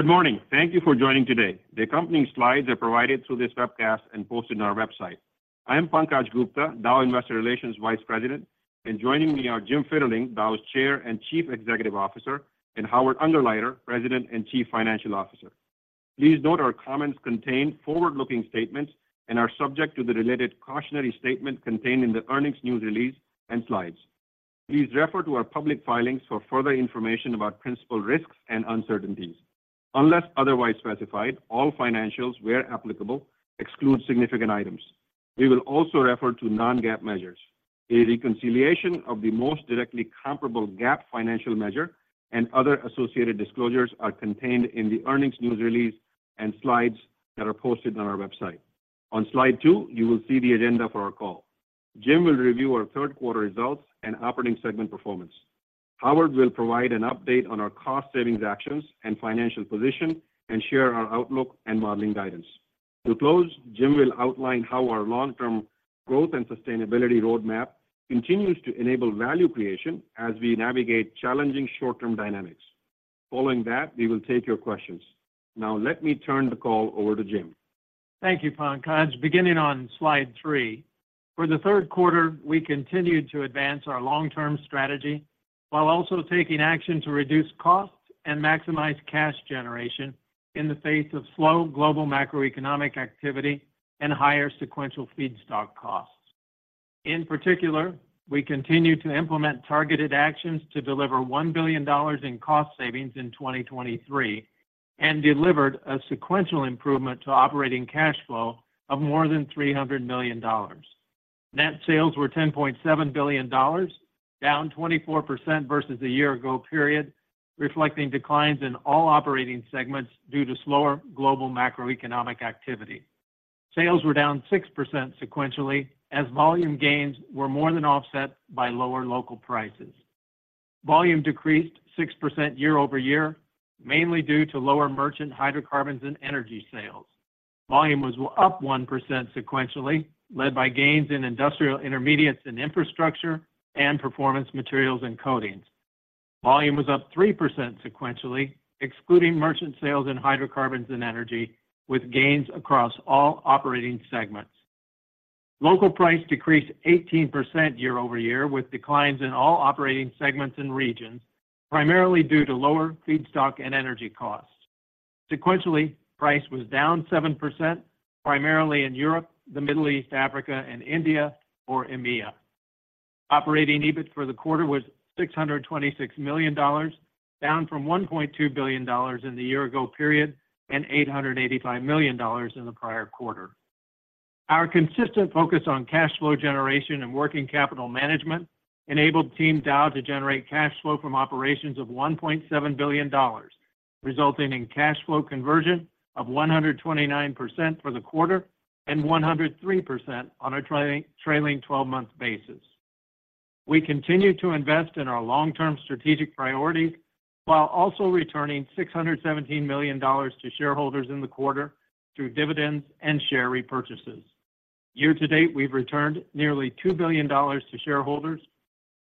Good morning. Thank you for joining today. The accompanying slides are provided through this webcast and posted on our website. I am Pankaj Gupta, Dow Investor Relations Vice President, and joining me are Jim Fitterling, Dow's Chair and Chief Executive Officer, and Howard Ungerleider, President and Chief Financial Officer. Please note our comments contain forward-looking statements and are subject to the related cautionary statement contained in the earnings news release and slides. Please refer to our public filings for further information about principal risks and uncertainties. Unless otherwise specified, all financials, where applicable, exclude significant items. We will also refer to non-GAAP measures. A reconciliation of the most directly comparable GAAP financial measure and other associated disclosures are contained in the earnings news release and slides that are posted on our website. On Slide two, you will see the agenda for our call. Jim will review our third quarter results and operating segment performance. Howard will provide an update on our cost savings actions and financial position and share our outlook and modeling guidance. To close, Jim will outline how our long-term growth and sustainability roadmap continues to enable value creation as we navigate challenging short-term dynamics. Following that, we will take your questions. Now, let me turn the call over to Jim. Thank you, Pankaj. Beginning on Slide 3, for the third quarter, we continued to advance our long-term strategy while also taking action to reduce costs and maximize cash generation in the face of slow global macroeconomic activity and higher sequential feedstock costs. In particular, we continued to implement targeted actions to deliver $1 billion in cost savings in 2023, and delivered a sequential improvement to operating cash flow of more than $300 million. Net sales were $10.7 billion, down 24% versus the year ago period, reflecting declines in all operating segments due to slower global macroeconomic activity. Sales were down 6% sequentially, as volume gains were more than offset by lower local prices. Volume decreased 6% year-over-year, mainly due to lower merchant hydrocarbons and energy sales. Volume was up 1% sequentially, led by gains in Industrial Intermediates and infrastructure and Performance Materials & Coatings. Volume was up 3% sequentially, excluding merchant sales in hydrocarbons and energy, with gains across all operating segments. Local price decreased 18% year-over-year, with declines in all operating segments and regions, primarily due to lower feedstock and energy costs. Sequentially, price was down 7%, primarily in Europe, the Middle East, Africa, and India or EMEA. Operating EBIT for the quarter was $626 million, down from $1.2 billion in the year-ago period, and $885 million in the prior quarter. Our consistent focus on cash flow generation and working capital management enabled Team Dow to generate cash flow from operations of $1.7 billion, resulting in cash flow conversion of 129% for the quarter and 103% on a trailing, trailing twelve-month basis. We continue to invest in our long-term strategic priorities while also returning $617 million to shareholders in the quarter through dividends and share repurchases. Year to date, we've returned nearly $2 billion to shareholders.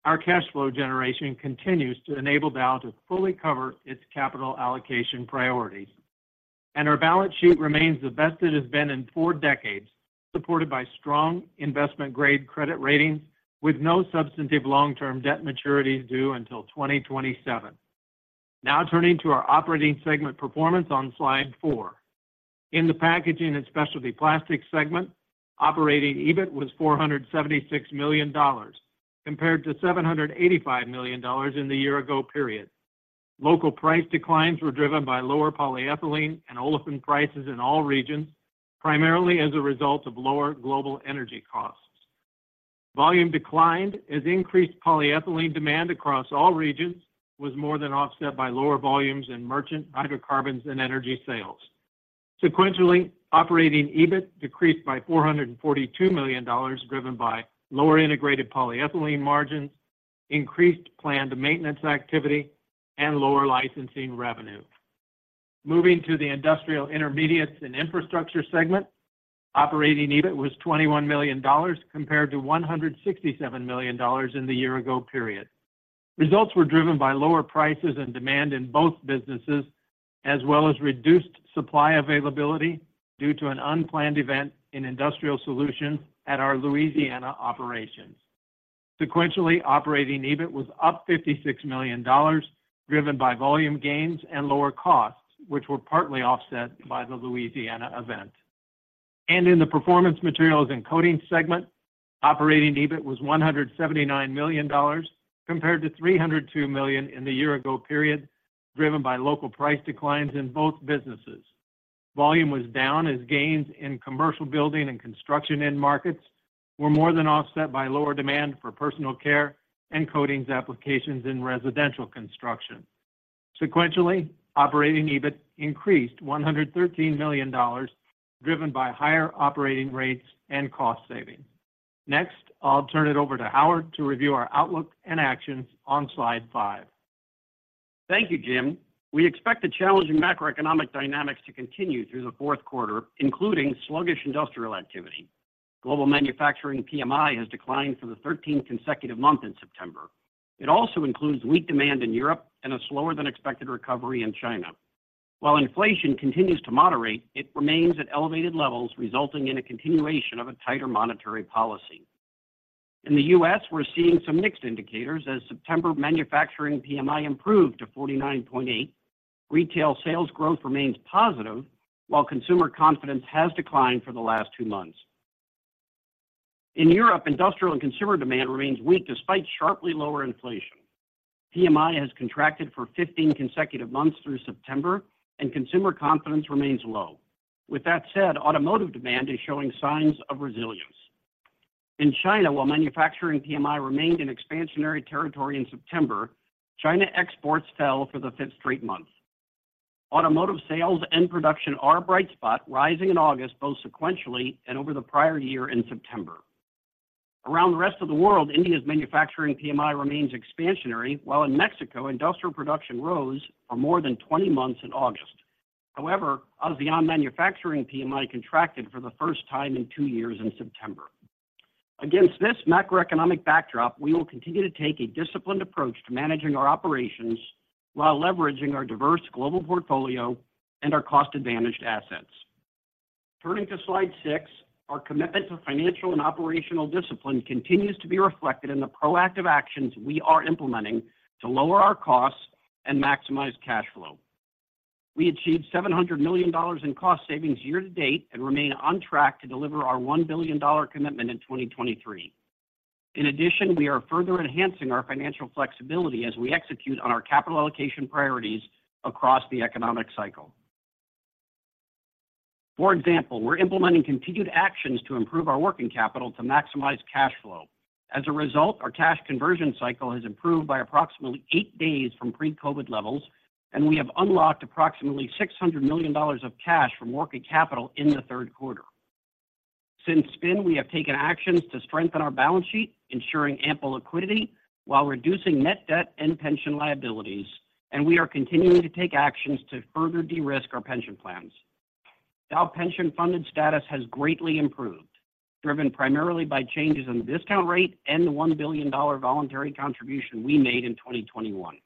Our cash flow generation continues to enable Dow to fully cover its capital allocation priorities, and our balance sheet remains the best it has been in 4 decades, supported by strong investment-grade credit ratings with no substantive long-term debt maturities due until 2027. Now, turning to our operating segment performance on Slide 4. In the Packaging & Specialty plastics segment, operating EBIT was $476 million, compared to $785 million in the year ago period. Local price declines were driven by lower polyethylene and olefin prices in all regions, primarily as a result of lower global energy costs. Volume declined as increased polyethylene demand across all regions was more than offset by lower volumes in merchant hydrocarbons and energy sales. Sequentially, operating EBIT decreased by $442 million, driven by lower integrated polyethylene margins, increased planned maintenance activity, and lower licensing revenue. Moving to the industrial intermediates and infrastructure segment, operating EBIT was $21 million, compared to $167 million in the year ago period. Results were driven by lower prices and demand in both businesses, as well as reduced supply availability due to an unplanned event in Industrial Solutions at our Louisiana operations. Sequentially, operating EBIT was up $56 million, driven by volume gains and lower costs, which were partly offset by the Louisiana event. In the performance materials and coatings segment, operating EBIT was $179 million, compared to $302 million in the year ago period, driven by local price declines in both businesses. Volume was down as gains in commercial building and construction end markets were more than offset by lower demand for personal care and coatings applications in residential construction. Sequentially, operating EBIT increased $113 million, driven by higher operating rates and cost savings. Next, I'll turn it over to Howard to review our outlook and actions on Slide five. Thank you, Jim. We expect the challenging macroeconomic dynamics to continue through the fourth quarter, including sluggish industrial activity. Global manufacturing PMI has declined for the thirteenth consecutive month in September.... It also includes weak demand in Europe and a slower than expected recovery in China. While inflation continues to moderate, it remains at elevated levels, resulting in a continuation of a tighter monetary policy. In the U.S., we're seeing some mixed indicators as September manufacturing PMI improved to 49.8, retail sales growth remains positive, while consumer confidence has declined for the last two months. In Europe, industrial and consumer demand remains weak despite sharply lower inflation. PMI has contracted for 15 consecutive months through September, and consumer confidence remains low. With that said, automotive demand is showing signs of resilience. In China, while manufacturing PMI remained in expansionary territory in September, China exports fell for the fifth straight month. Automotive sales and production are a bright spot, rising in August, both sequentially and over the prior year in September. Around the rest of the world, India's manufacturing PMI remains expansionary, while in Mexico, industrial production rose for more than 20 months in August. However, ASEAN manufacturing PMI contracted for the first time in 2 years in September. Against this macroeconomic backdrop, we will continue to take a disciplined approach to managing our operations while leveraging our diverse global portfolio and our cost-advantaged assets. Turning to Slide 6, our commitment to financial and operational discipline continues to be reflected in the proactive actions we are implementing to lower our costs and maximize cash flow. We achieved $700 million in cost savings year to date and remain on track to deliver our $1 billion commitment in 2023. In addition, we are further enhancing our financial flexibility as we execute on our capital allocation priorities across the economic cycle. For example, we're implementing continued actions to improve our working capital to maximize cash flow. As a result, our cash conversion cycle has improved by approximately 8 days from pre-COVID levels, and we have unlocked approximately $600 million of cash from working capital in the third quarter. Since spin, we have taken actions to strengthen our balance sheet, ensuring ample liquidity while reducing net debt and pension liabilities, and we are continuing to take actions to further de-risk our pension plans. Dow pension funded status has greatly improved, driven primarily by changes in the discount rate and the $1 billion voluntary contribution we made in 2021.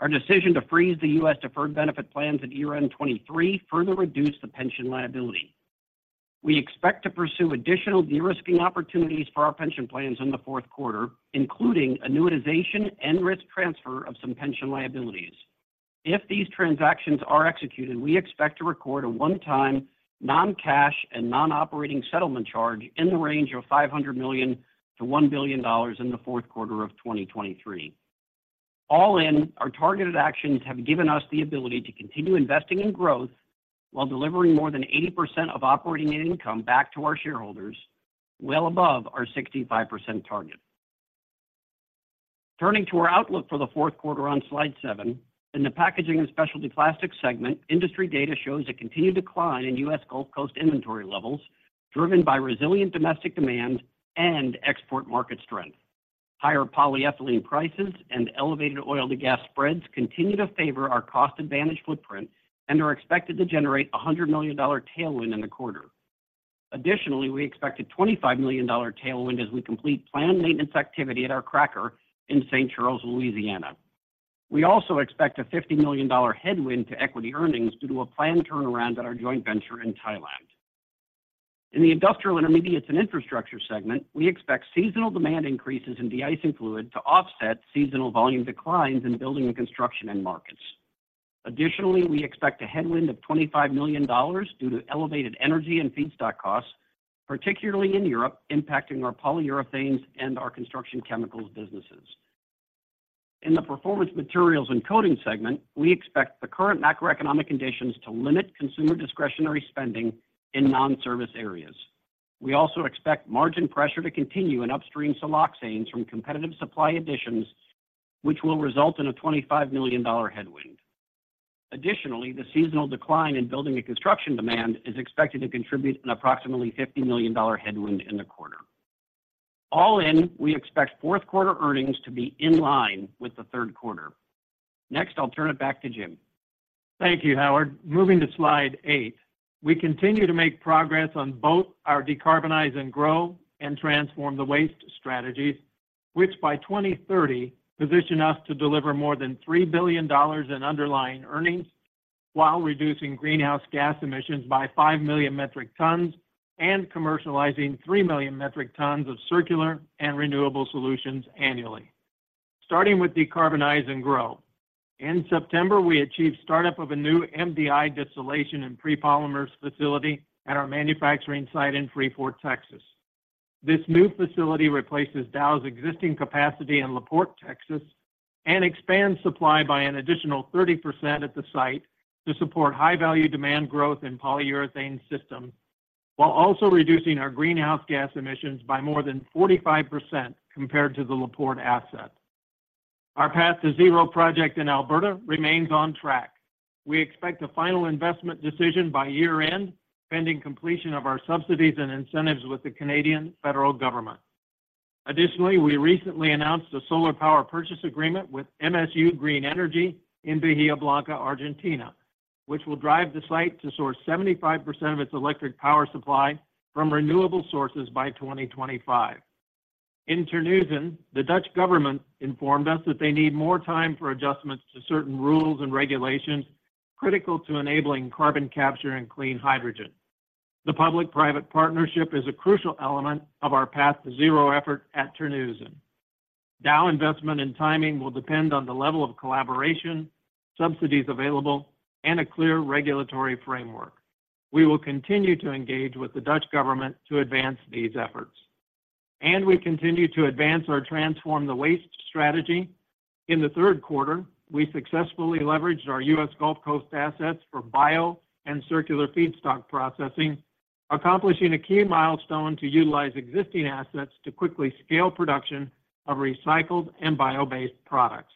Our decision to freeze the U.S. defined benefit plans at year-end 2023 further reduced the pension liability. We expect to pursue additional de-risking opportunities for our pension plans in the fourth quarter, including annuitization and risk transfer of some pension liabilities. If these transactions are executed, we expect to record a one-time non-cash and non-operating settlement charge in the range of $500 million-$1 billion in the fourth quarter of 2023. All in, our targeted actions have given us the ability to continue investing in growth while delivering more than 80% of operating income back to our shareholders, well above our 65% target. Turning to our outlook for the fourth quarter on Slide 7, in the packaging and specialty plastics segment, industry data shows a continued decline in US Gulf Coast inventory levels, driven by resilient domestic demand and export market strength. Higher polyethylene prices and elevated oil-to-gas spreads continue to favor our cost-advantaged footprint and are expected to generate a $100 million tailwind in the quarter. Additionally, we expect a $25 million tailwind as we complete planned maintenance activity at our cracker in St. Charles, Louisiana. We also expect a $50 million headwind to equity earnings due to a planned turnaround at our joint venture in Thailand. In the industrial intermediates and infrastructure segment, we expect seasonal demand increases in de-icing fluid to offset seasonal volume declines in building and construction end markets. Additionally, we expect a headwind of $25 million due to elevated energy and feedstock costs, particularly in Europe, impacting our Polyurethanes and our Construction Chemicals businesses. In the performance materials and coatings segment, we expect the current macroeconomic conditions to limit consumer discretionary spending in non-service areas. We also expect margin pressure to continue in upstream siloxanes from competitive supply additions, which will result in a $25 million headwind. Additionally, the seasonal decline in building and construction demand is expected to contribute an approximately $50 million headwind in the quarter. All in, we expect fourth quarter earnings to be in line with the third quarter. Next, I'll turn it back to Jim. Thank you, Howard. Moving to Slide 8. We continue to make progress on both our Decarbonize and Grow and Transform the Waste strategies, which by 2030, position us to deliver more than $3 billion in underlying earnings while reducing greenhouse gas emissions by 5 million metric tons and commercializing 3 million metric tons of circular and renewable solutions annually. Starting with Decarbonize and Grow. In September, we achieved startup of a new MDI distillation and prepolymers facility at our manufacturing site in Freeport, Texas. This new facility replaces Dow's existing capacity in La Porte, Texas, and expands supply by an additional 30% at the site to support high-value demand growth in polyurethane systems, while also reducing our greenhouse gas emissions by more than 45% compared to the La Porte asset. Our Path to Zero project in Alberta remains on track. We expect a final investment decision by year-end, pending completion of our subsidies and incentives with the Canadian Federal Government. Additionally, we recently announced a solar power purchase agreement with PCR Green Energy in Bahía Blanca, Argentina, which will drive the site to source 75% of its electric power supply from renewable sources by 2025. In Terneuzen, the Dutch government informed us that they need more time for adjustments to certain rules and regulations critical to enabling carbon capture and clean hydrogen. The public-private partnership is a crucial element of our Path to Zero effort at Terneuzen. Dow investment and timing will depend on the level of collaboration, subsidies available, and a clear regulatory framework. We will continue to engage with the Dutch government to advance these efforts, and we continue to advance our Transform the Waste strategy. In the third quarter, we successfully leveraged our U.S. Gulf Coast assets for bio and circular feedstock processing, accomplishing a key milestone to utilize existing assets to quickly scale production of recycled and bio-based products.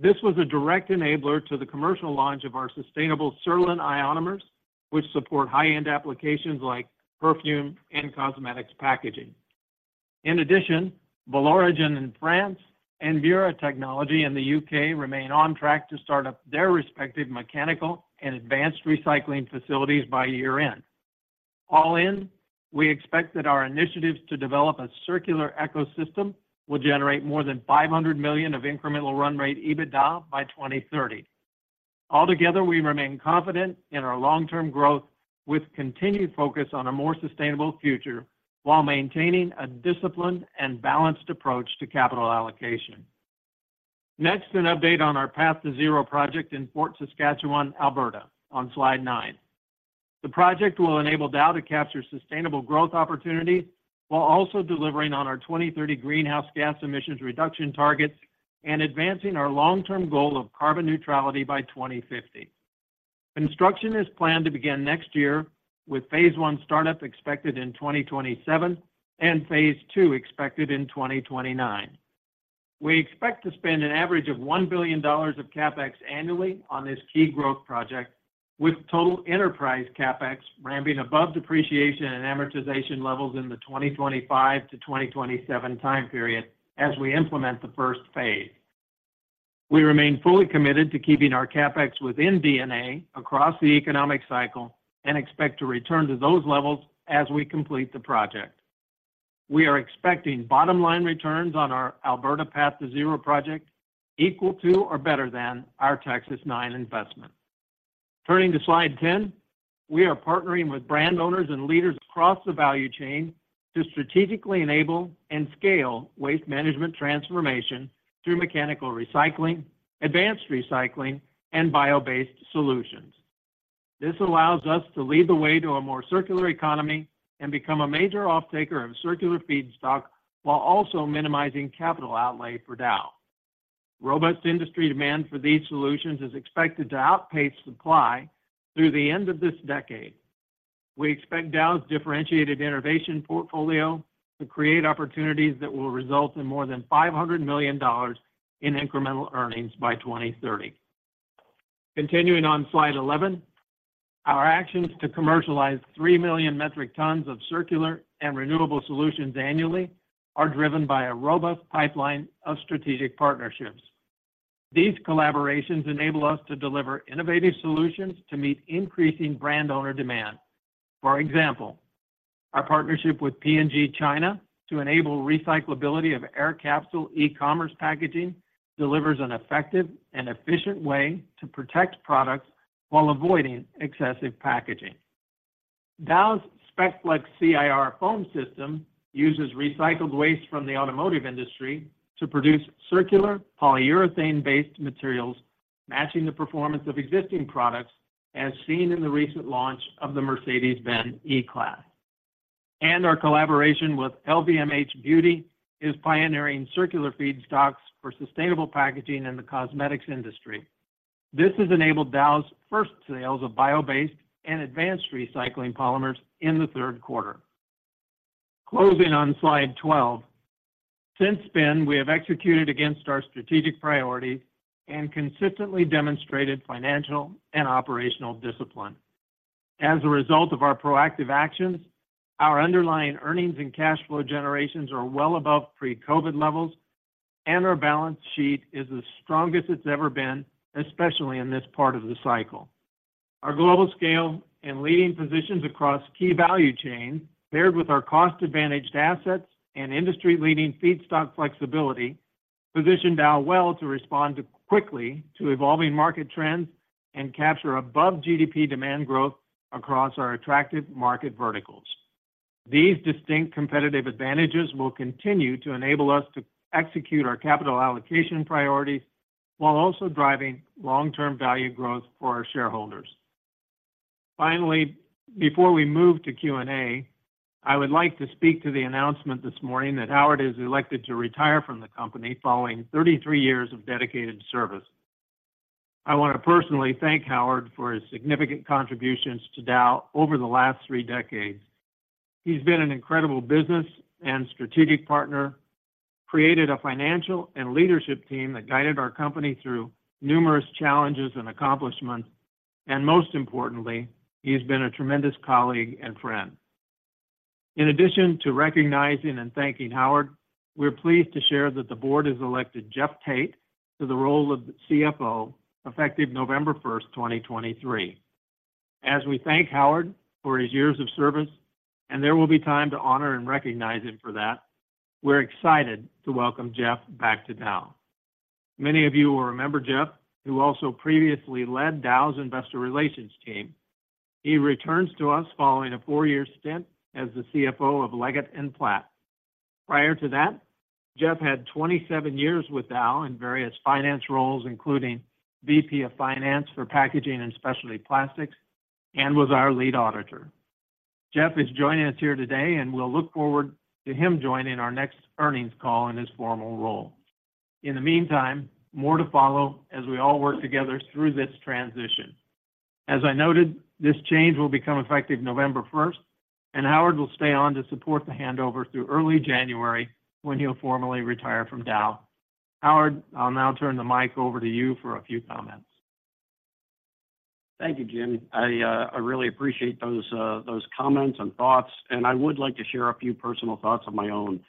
This was a direct enabler to the commercial launch of our sustainable SURLYN ionomers, which support high-end applications like perfume and cosmetics packaging. In addition, Valoregen in France and Veolia Technology in the U.K. remain on track to start up their respective mechanical and advanced recycling facilities by year-end. All in, we expect that our initiatives to develop a circular ecosystem will generate more than $500 million of incremental run rate EBITDA by 2030. Altogether, we remain confident in our long-term growth, with continued focus on a more sustainable future, while maintaining a disciplined and balanced approach to capital allocation. Next, an update on our Path to Zero project in Fort Saskatchewan, Alberta, on slide 9. The project will enable Dow to capture sustainable growth opportunities while also delivering on our 2030 greenhouse gas emissions reduction targets and advancing our long-term goal of carbon neutrality by 2050. Construction is planned to begin next year, with phase I startup expected in 2027 and Phase II expected in 2029. We expect to spend an average of $1 billion of CapEx annually on this key growth project, with total enterprise CapEx ramping above depreciation and amortization levels in the 2025-2027 time period as we implement the first phase. We remain fully committed to keeping our CapEx within D&A across the economic cycle and expect to return to those levels as we complete the project. We are expecting bottom-line returns on our Alberta Path to Zero project equal to or better than our Texas-9 investment. Turning to slide 10. We are partnering with brand owners and leaders across the value chain to strategically enable and scale waste management transformation through mechanical recycling, advanced recycling, and bio-based solutions. This allows us to lead the way to a more circular economy and become a major offtaker of circular feedstock, while also minimizing capital outlay for Dow. Robust industry demand for these solutions is expected to outpace supply through the end of this decade. We expect Dow's differentiated innovation portfolio to create opportunities that will result in more than $500 million in incremental earnings by 2030. Continuing on slide 11, our actions to commercialize 3 million metric tons of circular and renewable solutions annually are driven by a robust pipeline of strategic partnerships. These collaborations enable us to deliver innovative solutions to meet increasing brand owner demand. For example, our partnership with P&G China to enable recyclability of Air Capsule e-commerce packaging delivers an effective and efficient way to protect products while avoiding excessive packaging. Dow's SPECFLEX C Foam system uses recycled waste from the automotive industry to produce circular polyurethane-based materials, matching the performance of existing products, as seen in the recent launch of the Mercedes-Benz E-Class. And our collaboration with LVMH Beauty is pioneering circular feedstocks for sustainable packaging in the cosmetics industry. This has enabled Dow's first sales of bio-based and advanced recycling polymers in the third quarter. Closing on slide 12. Since then, we have executed against our strategic priorities and consistently demonstrated financial and operational discipline. As a result of our proactive actions, our underlying earnings and cash flow generations are well above pre-COVID levels, and our balance sheet is the strongest it's ever been, especially in this part of the cycle. Our global scale and leading positions across key value chains, paired with our cost-advantaged assets and industry-leading feedstock flexibility, position Dow well to respond quickly to evolving market trends and capture above GDP demand growth across our attractive market verticals. These distinct competitive advantages will continue to enable us to execute our capital allocation priorities while also driving long-term value growth for our shareholders. Finally, before we move to Q&A, I would like to speak to the announcement this morning that Howard has elected to retire from the company following 33 years of dedicated service. I want to personally thank Howard for his significant contributions to Dow over the last three decades. He's been an incredible business and strategic partner, created a financial and leadership team that guided our company through numerous challenges and accomplishments, and most importantly, he's been a tremendous colleague and friend. In addition to recognizing and thanking Howard, we're pleased to share that the board has elected Jeff Tate to the role of CFO, effective November 1, 2023. As we thank Howard for his years of service, and there will be time to honor and recognize him for that, we're excited to welcome Jeff back to Dow. Many of you will remember Jeff, who also previously led Dow's investor relations team. He returns to us following a four-year stint as the CFO of Leggett & Platt. Prior to that, Jeff had 27 years with Dow in various finance roles, including VP of Finance for Packaging and Specialty Plastics, and was our lead auditor. Jeff is joining us here today, and we'll look forward to him joining our next earnings call in his formal role. In the meantime, more to follow as we all work together through this transition. As I noted, this change will become effective November first, and Howard will stay on to support the handover through early January, when he'll formally retire from Dow. Howard, I'll now turn the mic over to you for a few comments. Thank you, Jim. I really appreciate those comments and thoughts, and I would like to share a few personal thoughts of my own.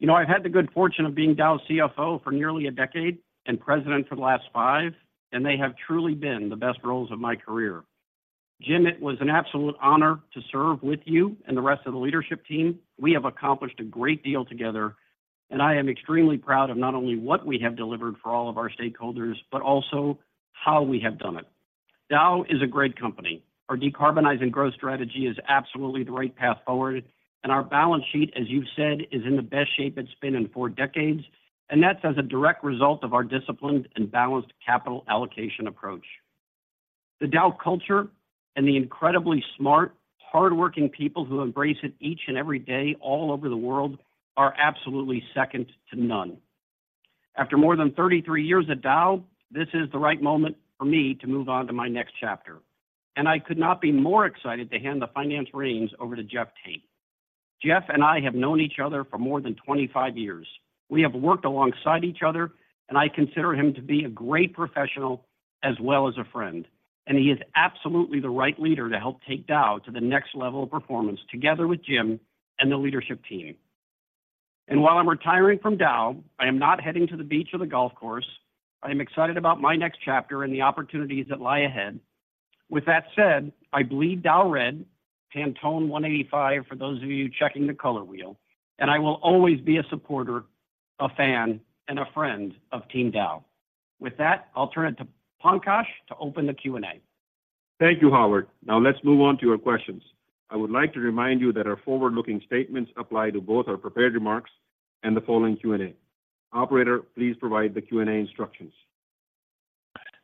You know, I've had the good fortune of being Dow's CFO for nearly a decade and President for the last five, and they have truly been the best roles of my career. Jim, it was an absolute honor to serve with you and the rest of the leadership team. We have accomplished a great deal together, and I am extremely proud of not only what we have delivered for all of our stakeholders, but also how we have done it. Dow is a great company. Our Decarbonize and Grow strategy is absolutely the right path forward, and our balance sheet, as you've said, is in the best shape it's been in for decades, and that's as a direct result of our disciplined and balanced capital allocation approach. The Dow culture and the incredibly smart, hardworking people who embrace it each and every day, all over the world, are absolutely second to none. After more than 33 years at Dow, this is the right moment for me to move on to my next chapter, and I could not be more excited to hand the finance reins over to Jeff Tate. Jeff and I have known each other for more than 25 years. We have worked alongside each other, and I consider him to be a great professional as well as a friend, and he is absolutely the right leader to help take Dow to the next level of performance, together with Jim and the leadership team. And while I'm retiring from Dow, I am not heading to the beach or the golf course. I am excited about my next chapter and the opportunities that lie ahead. With that said, I bleed Dow red, Pantone 185, for those of you checking the color wheel, and I will always be a supporter, a fan, and a friend of Team Dow. With that, I'll turn it to Pankaj to open the Q&A. Thank you, Howard. Now, let's move on to your questions. I would like to remind you that our forward-looking statements apply to both our prepared remarks and the following Q&A. Operator, please provide the Q&A instructions.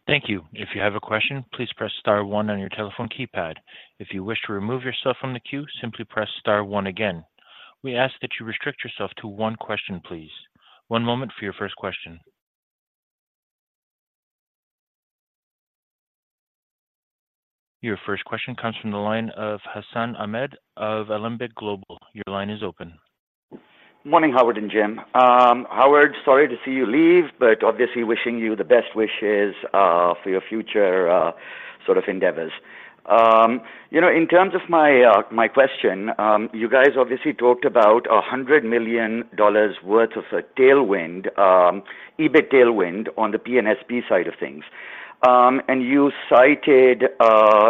Thank you. If you have a question, please press star one on your telephone keypad. If you wish to remove yourself from the queue, simply press star one again. We ask that you restrict yourself to one question, please. One moment for your first question. Your first question comes from the line of Hassan Ahmed of Alembic Global. Your line is open. Morning, Howard and Jim. Howard, sorry to see you leave, but obviously wishing you the best wishes for your future sort of endeavors. You know, in terms of my question, you guys obviously talked about $100 million worth of a tailwind, EBIT tailwind on the PNSP side of things. And you cited,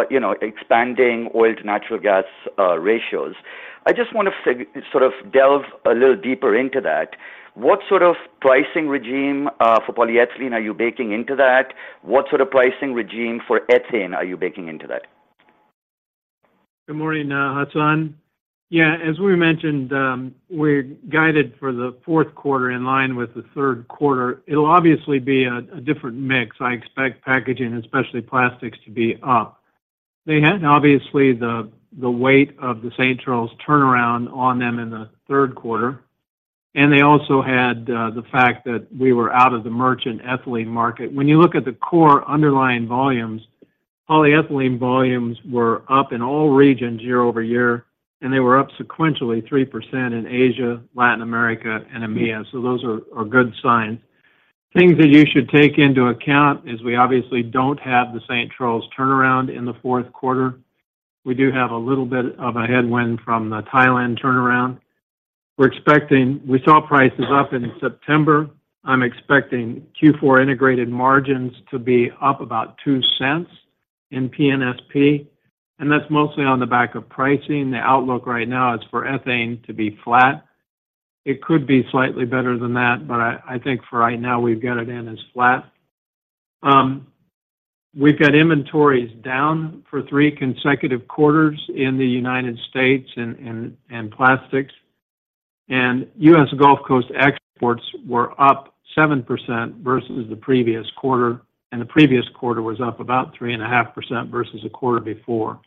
you know, expanding oil to natural gas ratios. I just want to sort of delve a little deeper into that. What sort of pricing regime for polyethylene are you baking into that? What sort of pricing regime for ethane are you baking into that? Good morning, Hassan. Yeah, as we mentioned, we're guided for the fourth quarter in line with the third quarter. It'll obviously be a different mix. I expect packaging, especially plastics, to be up. They had, obviously, the weight of the St. Charles turnaround on them in the third quarter, and they also had the fact that we were out of the merchant ethylene market. When you look at the core underlying volumes, polyethylene volumes were up in all regions year-over-year, and they were up sequentially 3% in Asia, Latin America, and EMEA. So those are good signs. Things that you should take into account is we obviously don't have the St. Charles turnaround in the fourth quarter. We do have a little bit of a headwind from the Thailand turnaround. We're expecting. We saw prices up in September. I'm expecting Q4 integrated margins to be up about $0.02 in PNSP, and that's mostly on the back of pricing. The outlook right now is for ethane to be flat. It could be slightly better than that, but I, I think for right now, we've got it in as flat. We've got inventories down for three consecutive quarters in the United States and plastics, and US Gulf Coast exports were up 7% versus the previous quarter, and the previous quarter was up about 3.5% versus the quarter before.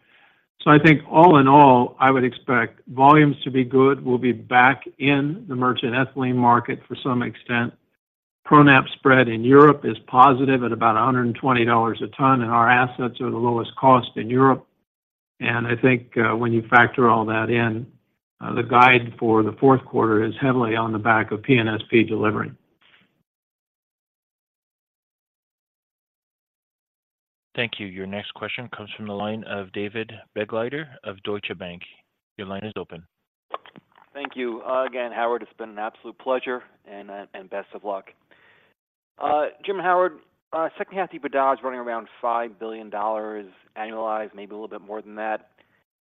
So I think all in all, I would expect volumes to be good. We'll be back in the merchant ethylene market to some extent. Prop/Nap spread in Europe is positive at about $120 a ton, and our assets are the lowest cost in Europe. I think, when you factor all that in, the guide for the fourth quarter is heavily on the back of PNSP delivering.... Thank you. Your next question comes from the line of David Begleiter of Deutsche Bank. Your line is open. Thank you. Again, Howard, it's been an absolute pleasure, and, and best of luck. Jim Howard, second half EBITDA is running around $5 billion annualized, maybe a little bit more than that.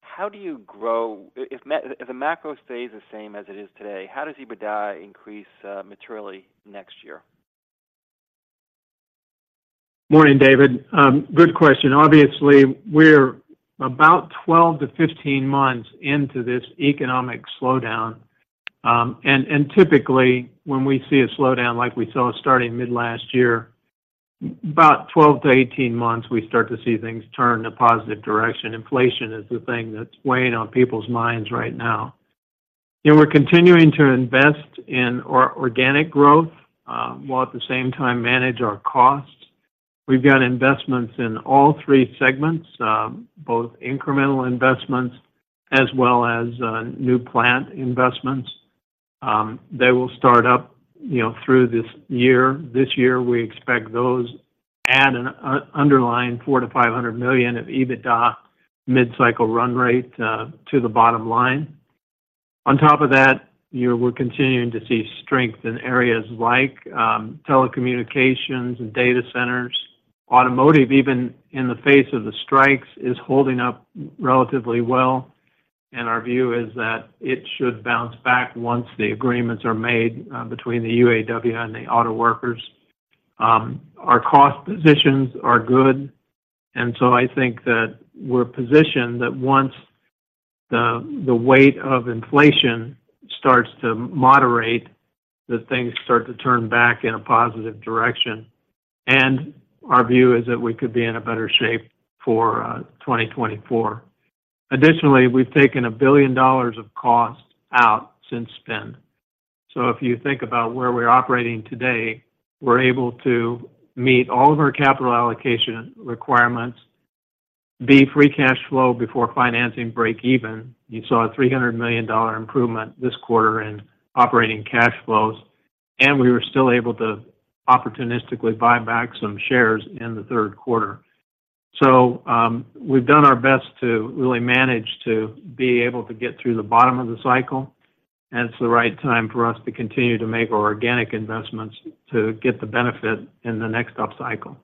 How do you grow? If the macro stays the same as it is today, how does EBITDA increase materially next year? Morning, David. Good question. Obviously, we're about 12-15 months into this economic slowdown. And typically, when we see a slowdown like we saw starting mid last year, about 12-18 months, we start to see things turn in a positive direction. Inflation is the thing that's weighing on people's minds right now. And we're continuing to invest in organic growth, while at the same time manage our costs. We've got investments in all three segments, both incremental investments as well as new plant investments. They will start up, you know, through this year. This year, we expect those to add an underlying $400-$500 million of EBITDA mid-cycle run rate to the bottom line. On top of that, we're continuing to see strength in areas like telecommunications and data centers. Automotive, even in the face of the strikes, is holding up relatively well, and our view is that it should bounce back once the agreements are made, between the UAW and the auto workers. Our cost positions are good, and so I think that we're positioned that once the weight of inflation starts to moderate, that things start to turn back in a positive direction. And our view is that we could be in a better shape for 2024. Additionally, we've taken $1 billion of costs out since then. So if you think about where we're operating today, we're able to meet all of our capital allocation requirements, be free cash flow before financing break even. You saw a $300 million improvement this quarter in operating cash flows, and we were still able to opportunistically buy back some shares in the third quarter. So, we've done our best to really manage to be able to get through the bottom of the cycle, and it's the right time for us to continue to make our organic investments to get the benefit in the next upcycle.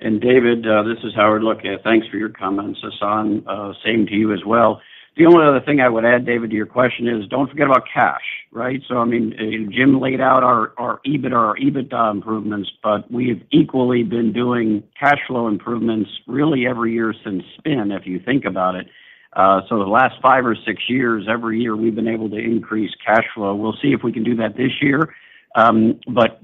David, this is Howard Ungerleider. Thanks for your comments. Hassan, same to you as well. The only other thing I would add, David, to your question is, don't forget about cash, right? So I mean, Jim laid out our EBIT or our EBITDA improvements, but we've equally been doing cash flow improvements really every year since spin, if you think about it. So the last five or six years, every year, we've been able to increase cash flow. We'll see if we can do that this year. But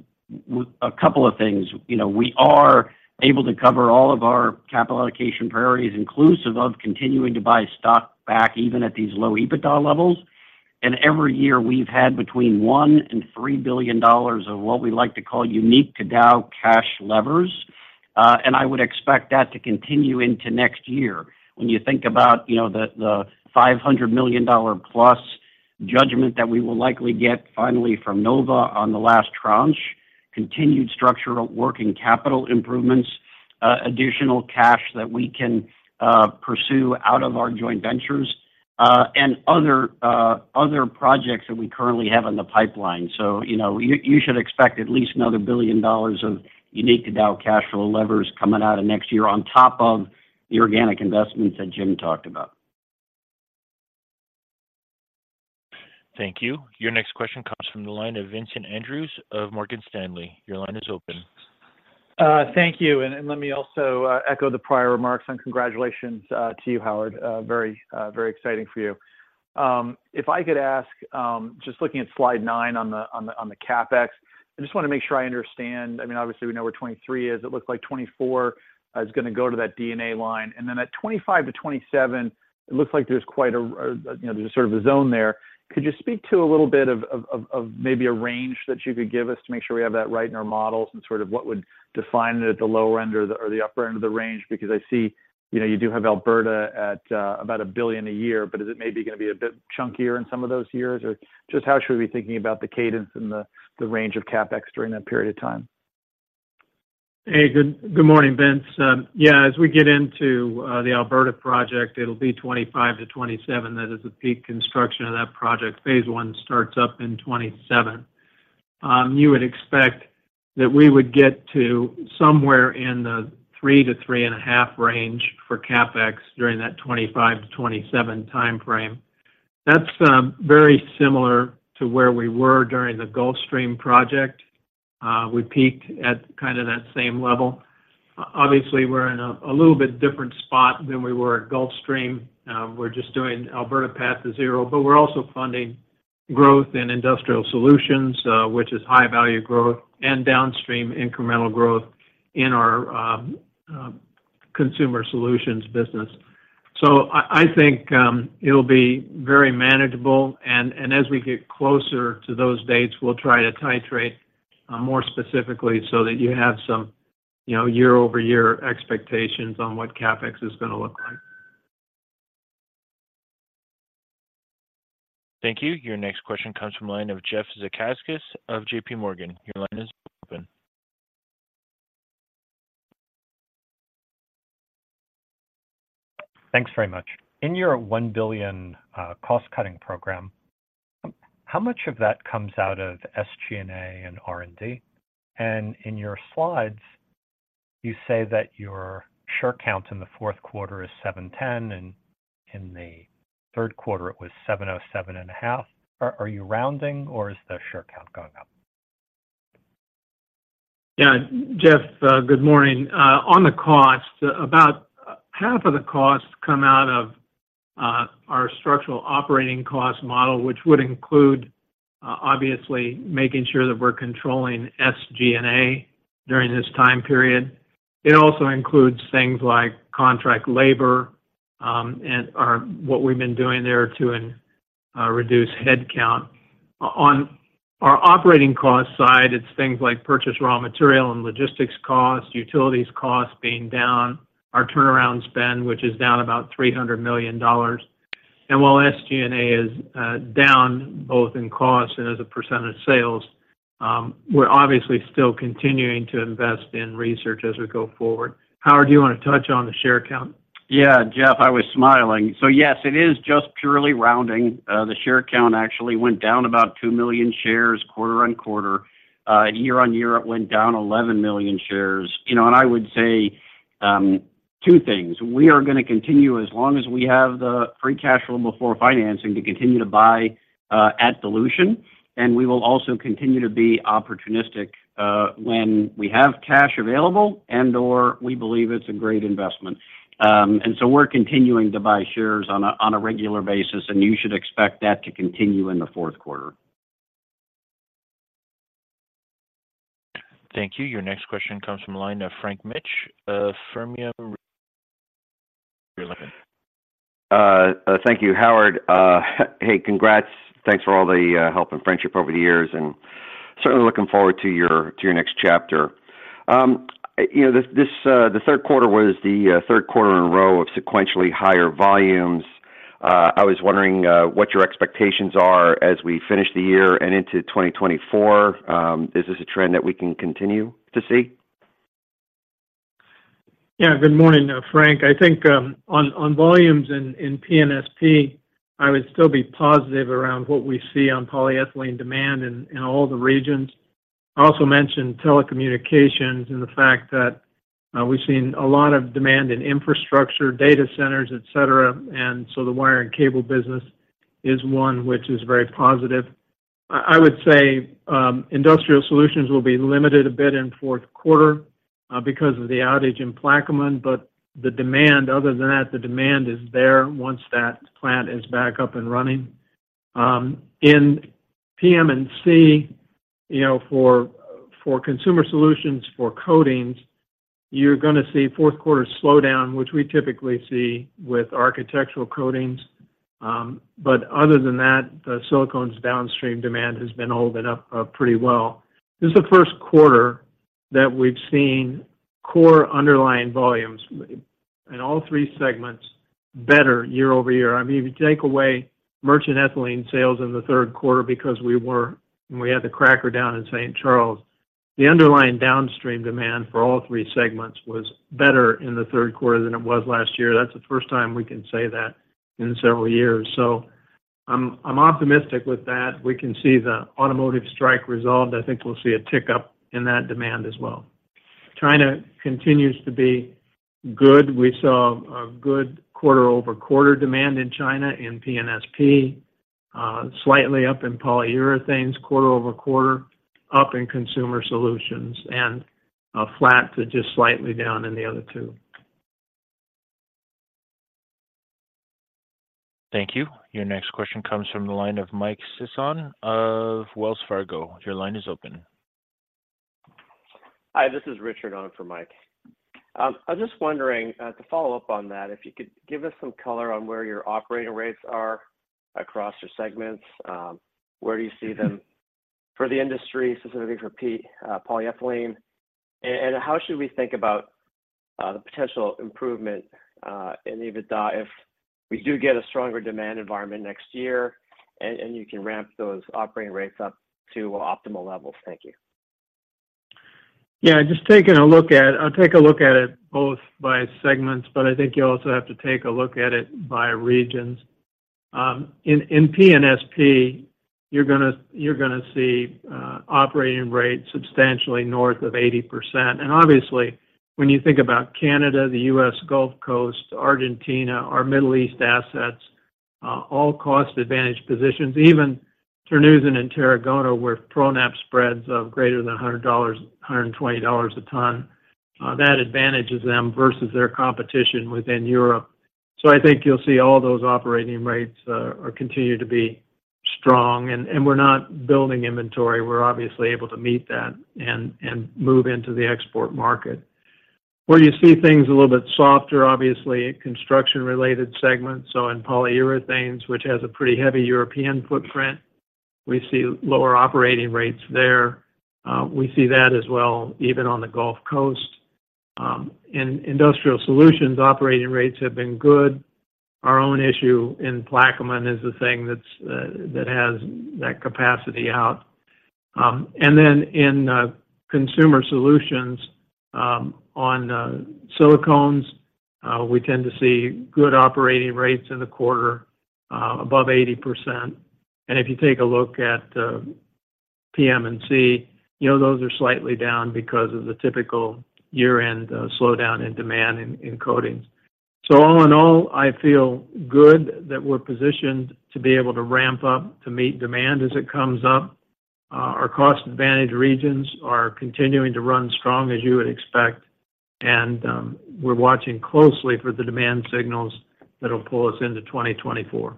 a couple of things: you know, we are able to cover all of our capital allocation priorities, inclusive of continuing to buy stock back, even at these low EBITDA levels. And every year, we've had between $1 billion and $3 billion of what we like to call unique to Dow cash levers. And I would expect that to continue into next year. When you think about, you know, the five hundred million dollar plus judgment that we will likely get finally from Nova on the last tranche, continued structural working capital improvements, additional cash that we can pursue out of our joint ventures, and other projects that we currently have in the pipeline. So, you know, you should expect at least another billion dollars of unique to Dow cash flow levers coming out of next year on top of the organic investments that Jim talked about. Thank you. Your next question comes from the line of Vincent Andrews of Morgan Stanley. Your line is open. Thank you. Let me also echo the prior remarks, and congratulations to you, Howard. Very exciting for you. If I could ask, just looking at slide nine on the CapEx, I just want to make sure I understand. I mean, obviously, we know where 2023 is. It looks like 2024 is gonna go to that DNA line. And then at 2025-2027, it looks like there's quite a, you know, there's sort of a zone there. Could you speak to a little bit of maybe a range that you could give us to make sure we have that right in our models and sort of what would define it at the lower end or the upper end of the range? Because I see, you know, you do have Alberta at about $1 billion a year, but is it maybe gonna be a bit chunkier in some of those years? Or just how should we be thinking about the cadence and the range of CapEx during that period of time? Hey, good, good morning, Vince. Yeah, as we get into the Alberta project, it'll be 2025-2027. That is the peak construction of that project. Phase I starts up in 2027. You would expect that we would get to somewhere in the 3-3.5 range for CapEx during that 2025-2027 time frame. That's very similar to where we were during the Gulf Coast project. We peaked at kind of that same level. Obviously, we're in a little bit different spot than we were at Gulf Coast. We're just doing Alberta Path to Zero, but we're also funding growth in industrial solutions, which is high-value growth and downstream incremental growth in our Consumer Solutions business. So I think it'll be very manageable, and as we get closer to those dates, we'll try to titrate more specifically so that you have some, you know, year-over-year expectations on what CapEx is gonna look like. Thank you. Your next question comes from line of Jeff Zekauskas of JP Morgan. Your line is open. Thanks very much. In your $1 billion cost-cutting program, how much of that comes out of SG&A and R&D? And in your slides, you say that your share count in the fourth quarter is 710, and in the third quarter it was 707.5. Are, are you rounding or is the share count going up? Yeah, Jeff, good morning. On the cost, about half of the costs come out of our structural operating cost model, which would include, obviously, making sure that we're controlling SG&A during this time period. It also includes things like contract labor, and what we've been doing there to reduce head count. On our operating cost side, it's things like purchase raw material and logistics costs, utilities costs being down, our turnaround spend, which is down about $300 million. And while SG&A is down both in costs and as a percentage of sales, we're obviously still continuing to invest in research as we go forward. Howard, do you want to touch on the share count? Yeah, Jeff, I was smiling. So yes, it is just purely rounding. The share count actually went down about 2 million shares quarter-on-quarter. Year-on-year, it went down 11 million shares. You know, and I would say, two things: we are gonna continue as long as we have the free cash flow before financing to continue to buy, at dilution, and we will also continue to be opportunistic, when we have cash available and/or we believe it's a great investment. And so we're continuing to buy shares on a, on a regular basis, and you should expect that to continue in the fourth quarter. Thank you. Your next question comes from line of Frank Mitsch, from... Your line is open. Thank you, Howard. Hey, congrats. Thanks for all the help and friendship over the years, and certainly looking forward to your next chapter. You know, this the third quarter was the third quarter in a row of sequentially higher volumes. I was wondering what your expectations are as we finish the year and into 2024. Is this a trend that we can continue to see? Yeah, good morning, Frank. I think, on volumes in PNSP, I would still be positive around what we see on polyethylene demand in all the regions. I also mentioned telecommunications and the fact that, we've seen a lot of demand in infrastructure, data centers, et cetera, and so the wire and cable business is one which is very positive. I would say, industrial solutions will be limited a bit in fourth quarter, because of the outage in Plaquemine, but the demand, other than that, the demand is there once that plant is back up and running. In PM&C, you know, for consumer solutions, for coatings, you're gonna see fourth quarter slowdown, which we typically see with architectural coatings. But other than that, the silicones downstream demand has been holding up, pretty well. This is the first quarter that we've seen core underlying volumes in all three segments better year-over-year. I mean, if you take away merchant ethylene sales in the third quarter because we had the cracker down in St. Charles, the underlying downstream demand for all three segments was better in the third quarter than it was last year. That's the first time we can say that in several years. So I'm optimistic with that. We can see the automotive strike resolved. I think we'll see a tick-up in that demand as well. China continues to be good. We saw a good quarter-over-quarter demand in China, in PNSP, slightly up in Polyurethanes, quarter-over-quarter, up in consumer solutions, and, flat to just slightly down in the other two. Thank you. Your next question comes from the line of Mike Sisson of Wells Fargo. Your line is open. Hi, this is Richard on for Mike. I was just wondering, to follow up on that, if you could give us some color on where your operating rates are across your segments, where do you see them for the industry, specifically for polyethylene, and, and how should we think about, the potential improvement in EBITDA if we do get a stronger demand environment next year, and, and you can ramp those operating rates up to optimal levels? Thank you. Yeah, just taking a look at it. I'll take a look at it both by segments, but I think you also have to take a look at it by regions. In PNSP, you're gonna see operating rates substantially north of 80%. And obviously, when you think about Canada, the U.S. Gulf Coast, Argentina, our Middle East assets, all cost advantage positions, even Terneuzen and Tarragona, where ProNap spreads of greater than $100, $120 a ton, that advantages them versus their competition within Europe. So I think you'll see all those operating rates are continued to be strong, and we're not building inventory. We're obviously able to meet that and move into the export market. Where you see things a little bit softer, obviously, construction-related segments, so in polyurethanes, which has a pretty heavy European footprint, we see lower operating rates there. We see that as well, even on the Gulf Coast. In industrial solutions, operating rates have been good. Our own issue in Plaquemine is the thing that's, that has that capacity out. And then in consumer solutions, on silicones, we tend to see good operating rates in the quarter, above 80%. And if you take a look at PM and C, you know, those are slightly down because of the typical year-end slowdown in demand in coatings. So all in all, I feel good that we're positioned to be able to ramp up to meet demand as it comes up. Our cost advantage regions are continuing to run strong, as you would expect, and we're watching closely for the demand signals that'll pull us into 2024.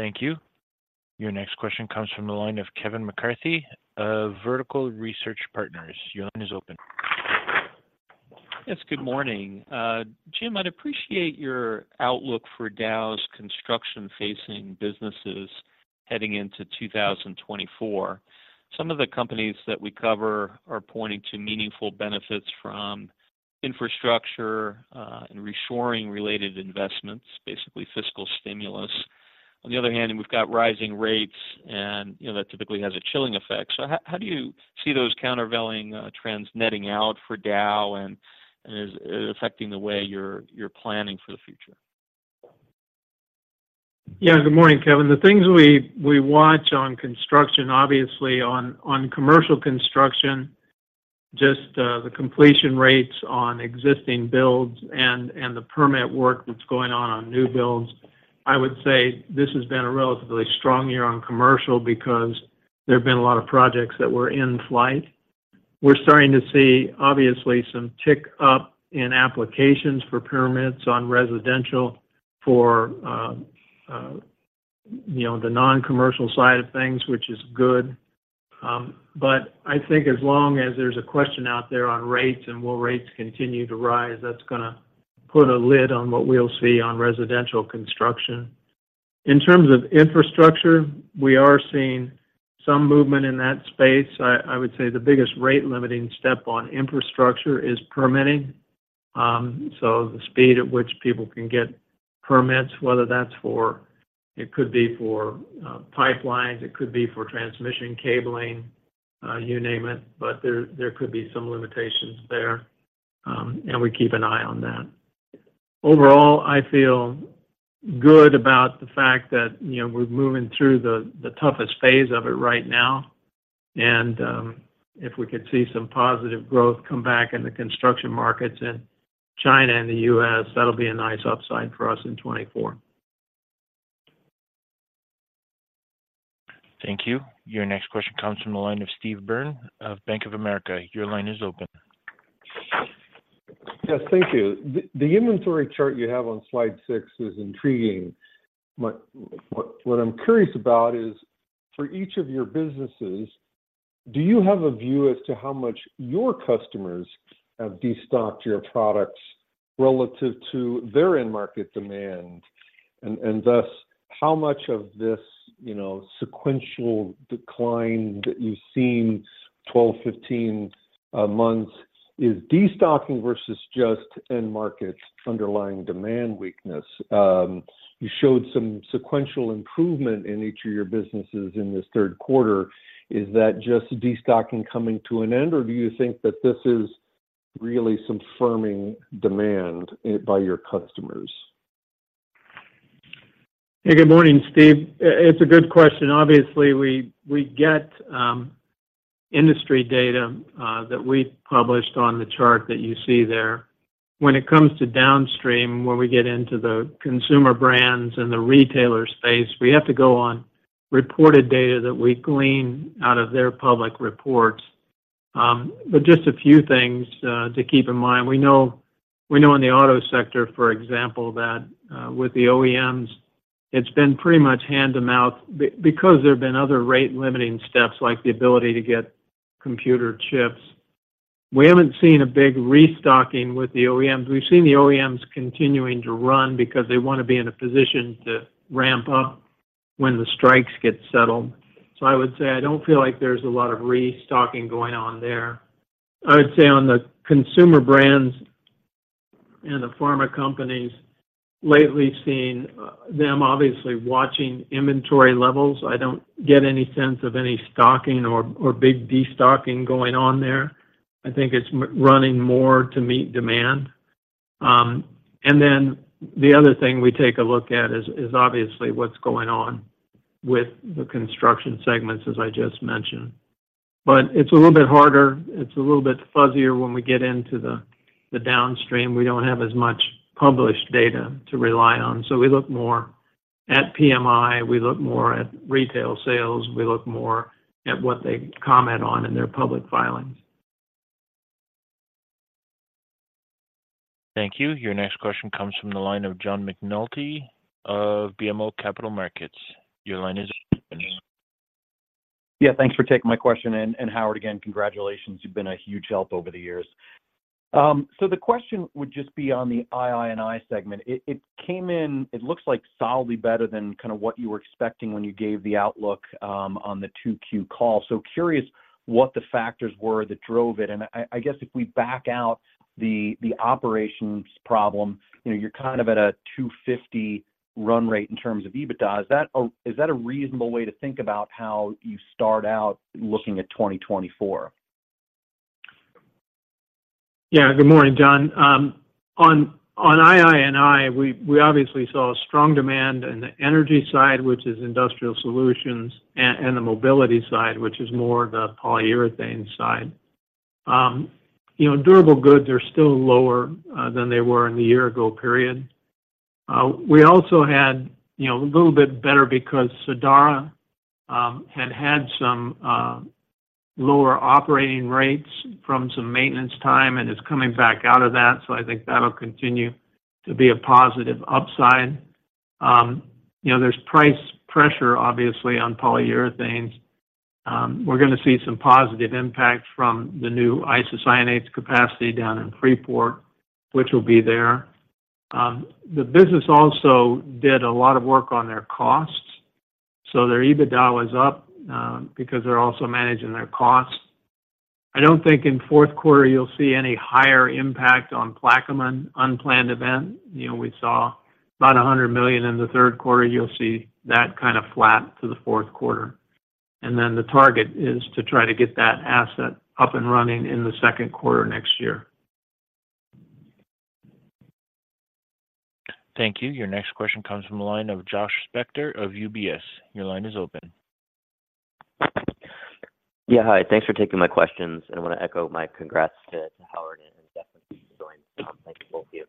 Thank you. Your next question comes from the line of Kevin McCarthy of Vertical Research Partners. Your line is open. Yes, good morning. Jim, I'd appreciate your outlook for Dow's construction-facing businesses heading into 2024. Some of the companies that we cover are pointing to meaningful benefits from infrastructure and reshoring related investments, basically fiscal stimulus. On the other hand, we've got rising rates, and, you know, that typically has a chilling effect. So how do you see those countervailing trends netting out for Dow and is it affecting the way you're planning for the future? Yeah. Good morning, Kevin. The things we watch on construction, obviously, on commercial construction, just the completion rates on existing builds and the permit work that's going on on new builds. I would say this has been a relatively strong year on commercial because there have been a lot of projects that were in flight. We're starting to see, obviously, some tick-up in applications for permits on residential for, you know, the non-commercial side of things, which is good. But I think as long as there's a question out there on rates and will rates continue to rise, that's going to put a lid on what we'll see on residential construction. In terms of infrastructure, we are seeing some movement in that space. I would say the biggest rate-limiting step on infrastructure is permitting. So the speed at which people can get permits, whether that's for... It could be for pipelines, it could be for transmission cabling, you name it, but there could be some limitations there, and we keep an eye on that. Overall, I feel good about the fact that, you know, we're moving through the toughest phase of it right now, and if we could see some positive growth come back in the construction markets in China and the US, that'll be a nice upside for us in 2024. Thank you. Your next question comes from the line of Steve Byrne of Bank of America. Your line is open. Yes, thank you. The inventory chart you have on slide 6 is intriguing, but what I'm curious about is, for each of your businesses, do you have a view as to how much your customers have destocked your products relative to their end market demand? And thus, how much of this, you know, sequential decline that you've seen 12, 15 months is destocking versus just end markets' underlying demand weakness. You showed some sequential improvement in each of your businesses in this third quarter. Is that just destocking coming to an end, or do you think that this is really some firming demand by your customers? Hey, good morning, Steve. It's a good question. Obviously, we get industry data that we published on the chart that you see there. When it comes to downstream, where we get into the consumer brands and the retailer space, we have to go on reported data that we glean out of their public reports. But just a few things to keep in mind. We know, we know in the auto sector, for example, that with the OEMs, it's been pretty much hand-to-mouth because there have been other rate-limiting steps, like the ability to get computer chips. We haven't seen a big restocking with the OEMs. We've seen the OEMs continuing to run because they want to be in a position to ramp up when the strikes get settled. So I would say I don't feel like there's a lot of restocking going on there. I would say on the consumer brands and the pharma companies, lately seen them obviously watching inventory levels. I don't get any sense of any stocking or big destocking going on there. I think it's running more to meet demand. And then the other thing we take a look at is obviously what's going on with the construction segments, as I just mentioned. But it's a little bit harder, it's a little bit fuzzier when we get into the downstream. We don't have as much published data to rely on, so we look more at PMI, we look more at retail sales, we look more at what they comment on in their public filings. Thank you. Your next question comes from the line of John McNulty of BMO Capital Markets. Your line is open. Yeah, thanks for taking my question, and Howard, again, congratulations. You've been a huge help over the years.... So the question would just be on the II&I segment. It came in, looks like solidly better than kind of what you were expecting when you gave the outlook on the 2Q call. So curious what the factors were that drove it. And I guess if we back out the operations problem, you know, you're kind of at a $250 run rate in terms of EBITDA. Is that a reasonable way to think about how you start out looking at 2024? Yeah. Good morning, John. On I&I, we obviously saw a strong demand in the energy side, which is industrial solutions, and the mobility side, which is more the polyurethane side. You know, durable goods are still lower than they were in the year ago period. We also had, you know, a little bit better because Sadara had some lower operating rates from some maintenance time and is coming back out of that, so I think that'll continue to be a positive upside. You know, there's price pressure, obviously, on polyurethanes. We're gonna see some positive impact from the new isocyanate capacity down in Freeport, which will be there. The business also did a lot of work on their costs, so their EBITDA was up because they're also managing their costs. I don't think in fourth quarter you'll see any higher impact on Plaquemine unplanned event. You know, we saw about $100 million in the third quarter. You'll see that kind of flat to the fourth quarter. And then the target is to try to get that asset up and running in the second quarter next year. Thank you. Your next question comes from the line of Josh Spector of UBS. Your line is open. Yeah, hi. Thanks for taking my questions, and I want to echo my congrats to, to Howard and Jim for joining. Thank you, both of you.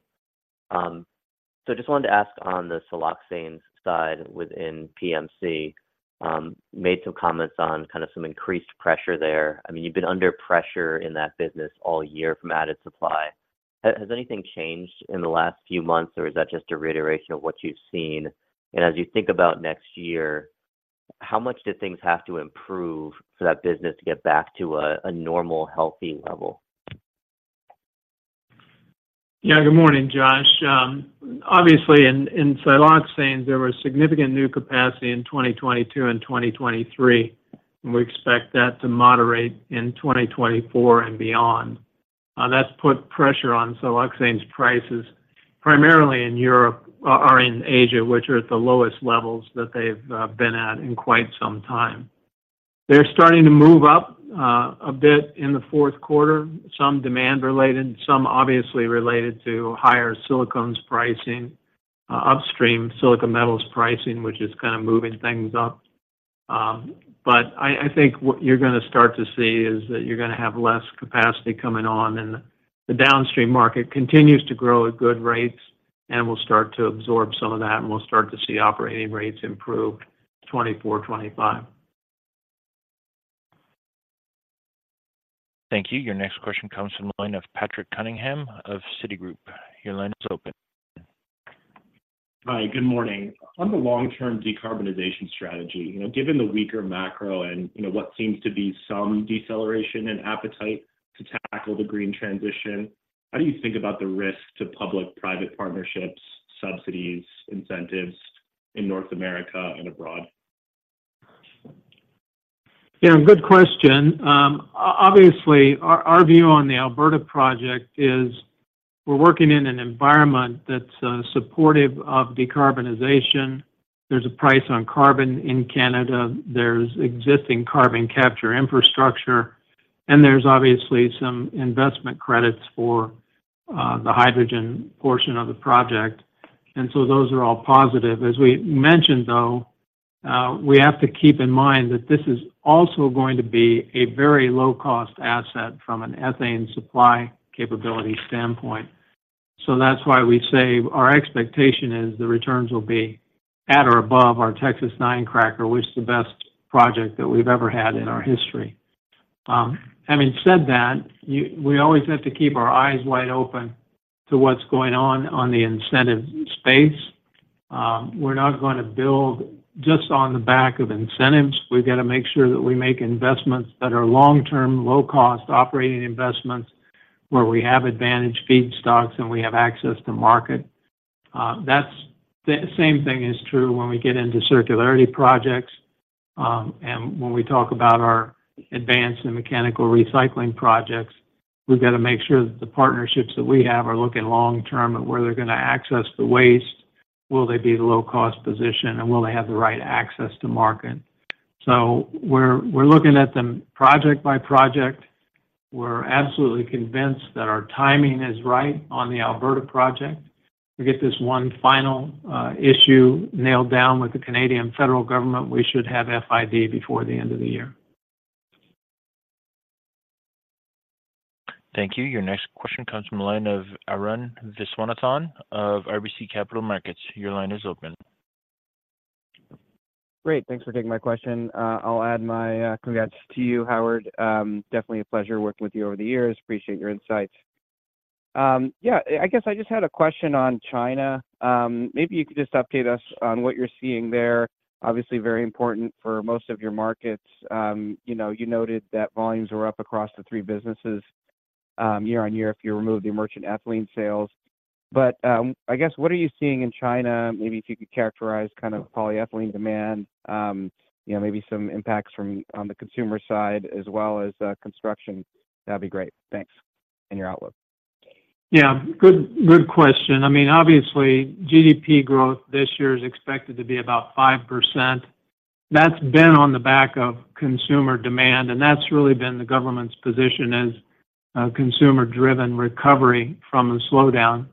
So just wanted to ask on the siloxanes side within PMC, made some comments on kind of some increased pressure there. I mean, you've been under pressure in that business all year from added supply. Has anything changed in the last few months, or is that just a reiteration of what you've seen? And as you think about next year, how much do things have to improve for that business to get back to a, a normal, healthy level? Yeah, good morning, Josh. Obviously, in siloxanes, there was significant new capacity in 2022 and 2023, and we expect that to moderate in 2024 and beyond. That's put pressure on Siloxanes prices, primarily in Europe or in Asia, which are at the lowest levels that they've been at in quite some time. They're starting to move up a bit in the fourth quarter. Some demand related, some obviously related to higher silicones pricing, upstream silicon metal pricing, which is kind of moving things up. But I, I think what you're gonna start to see is that you're gonna have less capacity coming on, and the downstream market continues to grow at good rates and will start to absorb some of that, and we'll start to see operating rates improve 2024, 2025. Thank you. Your next question comes from the line of Patrick Cunningham of Citigroup. Your line is open. Hi, good morning. On the long-term decarbonization strategy, you know, given the weaker macro and, you know, what seems to be some deceleration in appetite to tackle the green transition, how do you think about the risk to public-private partnerships, subsidies, incentives in North America and abroad? Yeah, good question. Obviously, our view on the Alberta project is we're working in an environment that's supportive of decarbonization. There's a price on carbon in Canada, there's existing carbon capture infrastructure, and there's obviously some investment credits for the hydrogen portion of the project, and so those are all positive. As we mentioned, though, we have to keep in mind that this is also going to be a very low-cost asset from an ethane supply capability standpoint. So that's why we say our expectation is the returns will be at or above our Texas-9 cracker, which is the best project that we've ever had in our history. Having said that, we always have to keep our eyes wide open to what's going on in the incentive space. We're not gonna build just on the back of incentives. We've got to make sure that we make investments that are long-term, low-cost operating investments, where we have advantage feedstocks, and we have access to market. That's the same thing is true when we get into circularity projects, and when we talk about our advanced and mechanical recycling projects. We've got to make sure that the partnerships that we have are looking long-term at where they're gonna access the waste, will they be the low-cost position, and will they have the right access to market? So we're, we're looking at them project by project. We're absolutely convinced that our timing is right on the Alberta project. We get this one final issue nailed down with the Canadian federal government. We should have FID before the end of the year. Thank you. Your next question comes from the line of Arun Viswanathan of RBC Capital Markets. Your line is open. Great. Thanks for taking my question. I'll add my congrats to you, Howard. Definitely a pleasure working with you over the years. Appreciate your insights. Yeah, I guess I just had a question on China. Maybe you could just update us on what you're seeing there. Obviously, very important for most of your markets. You know, you noted that volumes were up across the three businesses year-on-year if you remove the merchant ethylene sales. But I guess what are you seeing in China? Maybe if you could characterize kind of polyethylene demand, you know, maybe some impacts from on the consumer side as well as construction. That'd be great. Thanks, and your outlook. Yeah, good, good question. I mean, obviously, GDP growth this year is expected to be about 5%. That's been on the back of consumer demand, and that's really been the government's position as a consumer-driven recovery from a slowdown.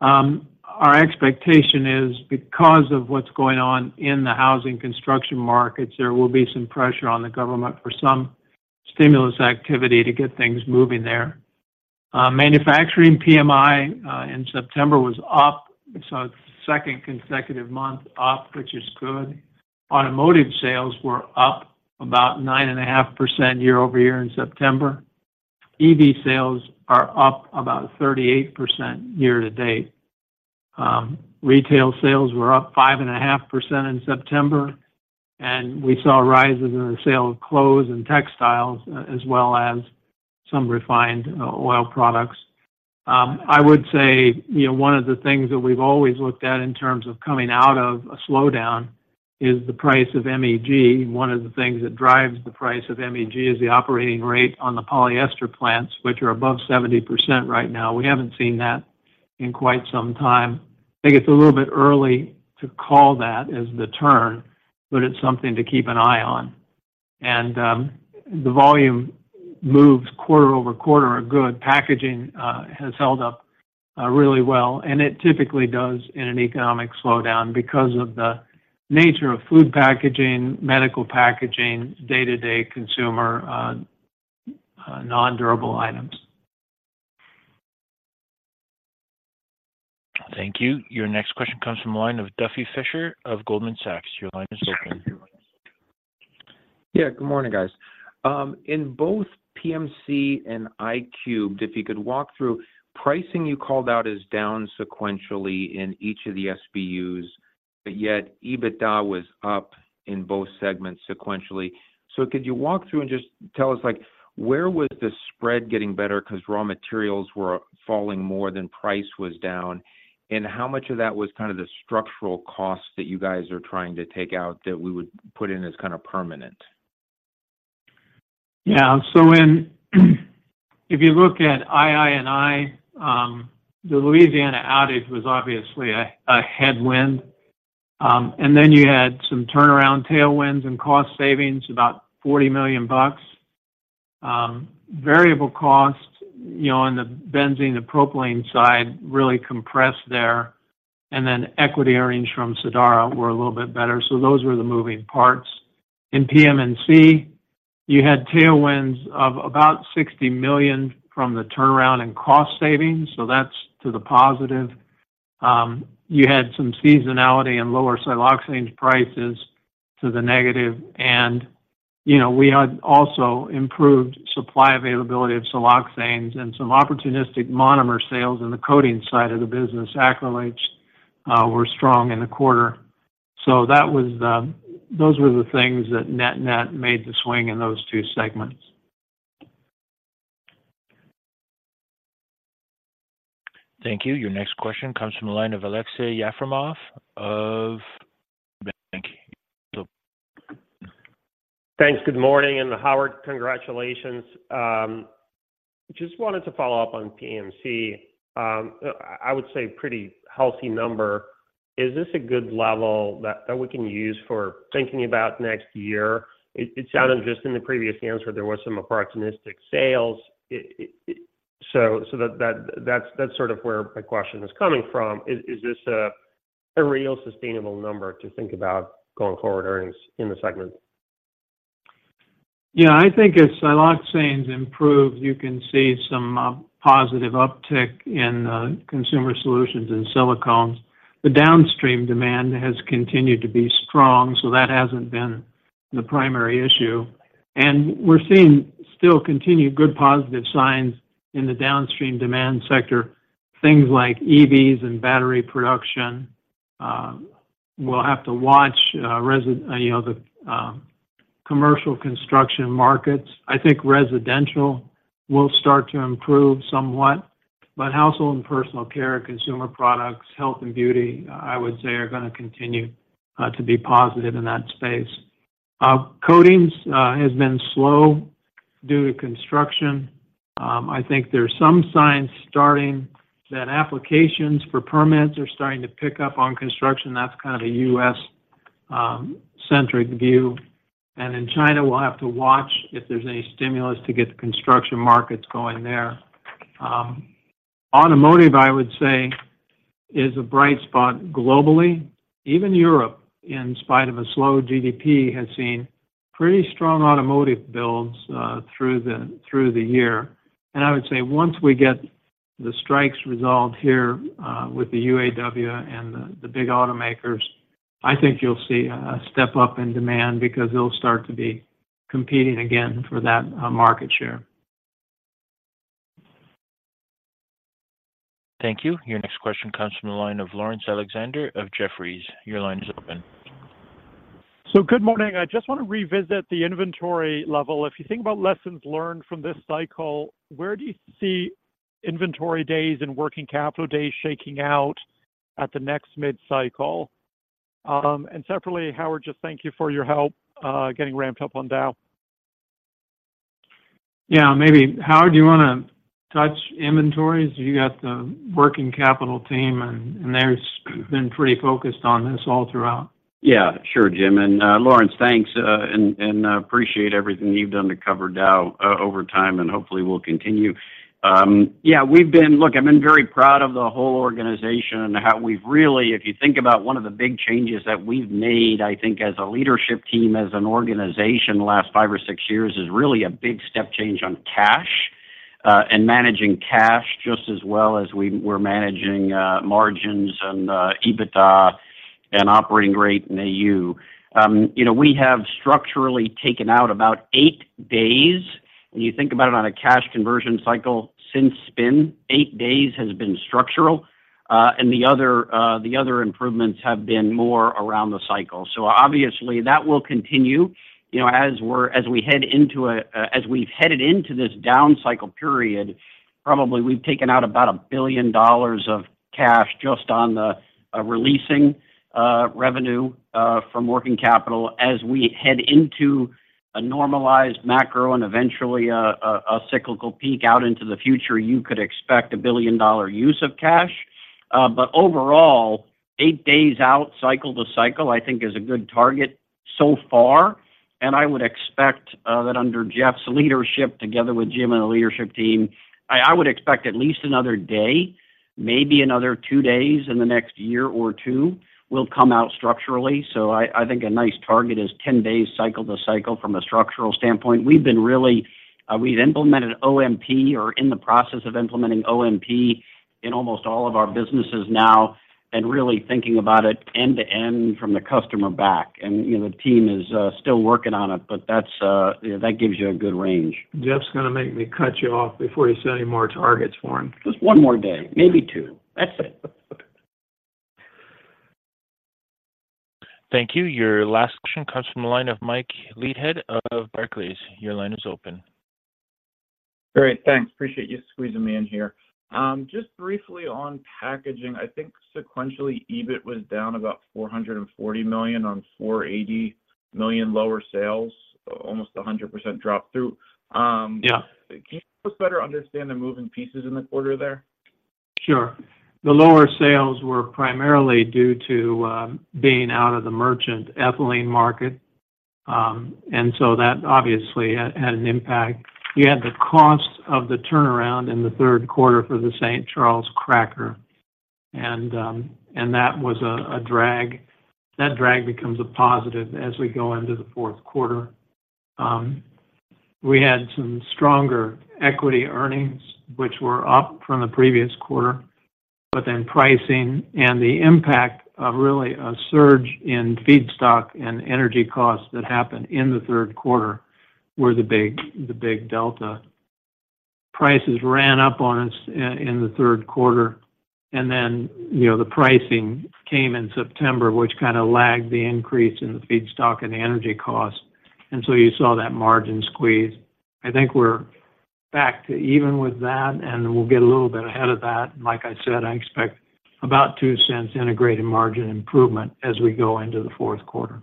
Our expectation is because of what's going on in the housing construction markets, there will be some pressure on the government for some stimulus activity to get things moving there. Manufacturing PMI in September was up, so second consecutive month up, which is good. Automotive sales were up about 9.5% year-over-year in September. EV sales are up about 38% year-to-date. Retail sales were up 5.5% in September, and we saw rises in the sale of clothes and textiles, as well as some refined oil products. I would say, you know, one of the things that we've always looked at in terms of coming out of a slowdown is the price of MEG. One of the things that drives the price of MEG is the operating rate on the polyester plants, which are above 70% right now. We haven't seen that in quite some time. I think it's a little bit early to call that as the turn, but it's something to keep an eye on. And, the volume moves quarter-over-quarter are good. Packaging has held up really well, and it typically does in an economic slowdown because of the nature of food packaging, medical packaging, day-to-day consumer non-durable items. Thank you. Your next question comes from the line of Duffy Fischer of Goldman Sachs. Your line is open. Yeah, good morning, guys. In both PMC and II&I, if you could walk through, pricing you called out is down sequentially in each of the SBUs, but yet EBITDA was up in both segments sequentially. So could you walk through and just tell us, like, where was the spread getting better because raw materials were falling more than price was down? And how much of that was kind of the structural costs that you guys are trying to take out that we would put in as kind of permanent? Yeah. So when if you look at II and I, the Louisiana outage was obviously a headwind, and then you had some turnaround tailwinds and cost savings, about $40 million. Variable costs, you know, on the benzene and propylene side really compressed there, and then equity earnings from Sadara were a little bit better. So those were the moving parts. In PM and C, you had tailwinds of about $60 million from the turnaround in cost savings, so that's to the positive. You had some seasonality and lower siloxanes prices to the negative, and, you know, we had also improved supply availability of siloxanes and some opportunistic monomer sales in the coatings side of the business. Acrylates were strong in the quarter. So that was the, those were the things that net-net made the swing in those two segments. Thank you. Your next question comes from the line of Aleksey Yefremov of Bank. Thanks. Good morning, and Howard, congratulations. Just wanted to follow up on PMC. I would say pretty healthy number. Is this a good level that we can use for thinking about next year? It sounded just in the previous answer, there was some opportunistic sales. So that's sort of where my question is coming from. Is this a real sustainable number to think about going forward earnings in the segment? Yeah, I think as siloxanes improve, you can see some positive uptick in consumer solutions and silicones. The downstream demand has continued to be strong, so that hasn't been the primary issue. We're seeing still continued good positive signs in the downstream demand sector, things like EVs and battery production. We'll have to watch, you know, the commercial construction markets. I think residential will start to improve somewhat, but household and personal care, consumer products, health and beauty, I would say, are going to continue to be positive in that space. Coatings has been slow due to construction. I think there are some signs starting that applications for permits are starting to pick up on construction. That's kind of a U.S.-centric view. In China, we'll have to watch if there's any stimulus to get the construction markets going there. Automotive, I would say, is a bright spot globally. Even Europe, in spite of a slow GDP, has seen pretty strong automotive builds through the year. And I would say once we get the strikes resolved here with the UAW and the big automakers, I think you'll see a step up in demand because they'll start to be competing again for that market share. Thank you. Your next question comes from the line of Lawrence Alexander of Jefferies. Your line is open. Good morning. I just want to revisit the inventory level. If you think about lessons learned from this cycle, where do you see inventory days and working capital days shaking out at the next mid-cycle? Separately, Howard, just thank you for your help, getting ramped up on Dow. Yeah, maybe, Howard, do you want to touch inventories? You got the working capital team, and they've been pretty focused on this all throughout. Yeah, sure, Jim, and Lawrence, thanks, and appreciate everything you've done to cover Dow over time, and hopefully will continue. Yeah, we've been—Look, I've been very proud of the whole organization and how we've really, if you think about one of the big changes that we've made, I think as a leadership team, as an organization in the last five or six years, is really a big step change on cash and managing cash, just as well as we're managing margins and EBITDA and operating rate and AU. You know, we have structurally taken out about eight days. When you think about it on a cash conversion cycle since spin, eight days has been structural, and the other improvements have been more around the cycle. So obviously, that will continue, you know, as we're as we head into this down cycle period, probably we've taken out about $1 billion of cash just on the releasing revenue from working capital. As we head into a normalized macro and eventually a cyclical peak out into the future, you could expect a billion-dollar use of cash. But overall, 8 days out cycle to cycle, I think is a good target so far. And I would expect that under Jeff's leadership, together with Jim and the leadership team, I would expect at least another day, maybe another 2 days in the next year or two, will come out structurally. So I think a nice target is 10 days cycle to cycle from a structural standpoint. We've been really, we've implemented OMP or in the process of implementing OMP in almost all of our businesses now and really thinking about it end to end from the customer back. And, you know, the team is still working on it, but that's, you know, that gives you a good range. Jeff's gonna make me cut you off before you say any more targets for him. Just one more day, maybe two. That's it. Thank you. Your last question comes from the line of Mike Leithead of Barclays. Your line is open. Great, thanks. Appreciate you squeezing me in here. Just briefly on packaging, I think sequentially, EBIT was down about $440 million on $480 million lower sales, almost 100% drop through. Yeah. Can you help us better understand the moving pieces in the quarter there? Sure. The lower sales were primarily due to being out of the merchant ethylene market, and so that obviously had an impact. You had the cost of the turnaround in the third quarter for the St. Charles cracker, and that was a drag. That drag becomes a positive as we go into the fourth quarter. We had some stronger equity earnings, which were up from the previous quarter, but then pricing and the impact of really a surge in feedstock and energy costs that happened in the third quarter were the big delta. Prices ran up on us in the third quarter, and then, you know, the pricing came in September, which kinda lagged the increase in the feedstock and energy costs, and so you saw that margin squeeze. I think we're back to even with that, and we'll get a little bit ahead of that. Like I said, I expect about $0.02 Integrated Margin improvement as we go into the fourth quarter.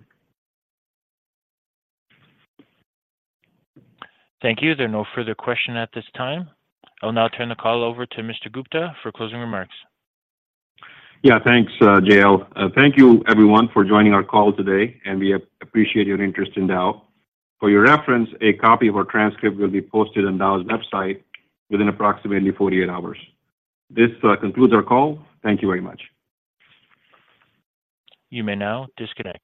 Thank you. There are no further questions at this time. I'll now turn the call over to Mr. Gupta for closing remarks. Yeah, thanks, JL. Thank you, everyone, for joining our call today, and we appreciate your interest in Dow. For your reference, a copy of our transcript will be posted on Dow's website within approximately 48 hours. This concludes our call. Thank you very much. You may now disconnect.